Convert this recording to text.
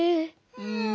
うん。